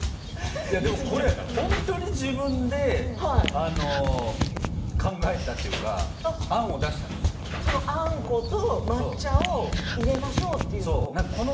本当に自分で考えたっていうかあんこと抹茶を入れましょうというのを？